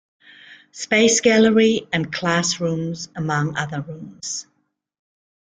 Space gallery, and classrooms, among other rooms.